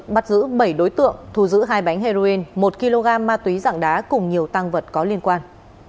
bắt giữ bảy đối tượng thu giữ hai bánh heroin một kg ma túy dạng đá cùng nhiều tăng vật có liên quan